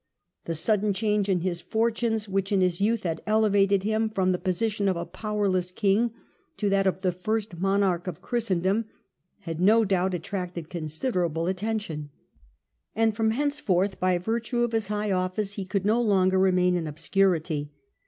The sudden change in his fortunes, which in his youth had elevated him from the position of a powerless King to that of the first monarch of Christen dom, had no doubt attracted considerable attention ; and from henceforth, by virtue of his high office, he could no longer remain in obscurity.